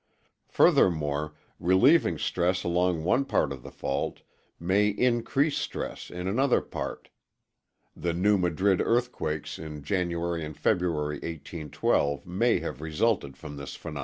Furthermore, relieving stress along one part of the fault may increase stress in another part; the New Madrid earthquakes in January and February 1812 may have resulted from this phenomenon.